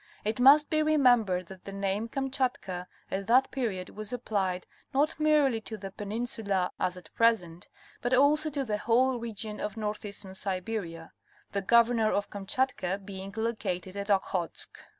It must be re membered that the name Kamchatka at that period was applied not merely to the peninsula as at present, but also to the whole region of northeastern Siberia, the governor of Kamchatka being located at Okhotsk.